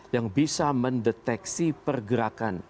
yang bisa mendeteksi pergerakan